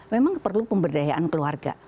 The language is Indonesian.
memang perlu pemberdayaan keluarga